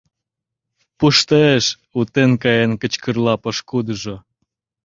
Пуштеш! — утен каен кычкырла пошкудыжо.